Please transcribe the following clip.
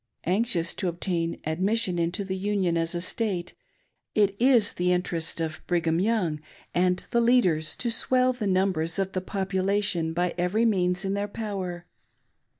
Anxious to obtain admission into the Union as a State, it is the interest of Brigham Young and the leaders to swell the numbers of the population by every means in their power.